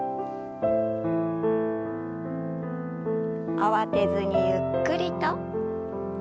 慌てずにゆっくりと。